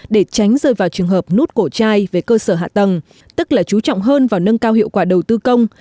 để tránh rơi vào trường hợp nút cổ trai về cơ sở hạ tầng tức là chú trọng hơn vào nâng cao hiệu quả đầu tư công